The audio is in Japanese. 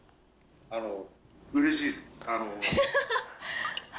あの、うれしいです。